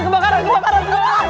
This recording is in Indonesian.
kembakaran kembakaran kembakaran